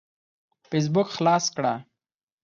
فيسبوک خلاص کړه.